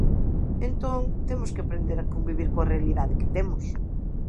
Entón temos que aprender a convivir coa realidade que temos.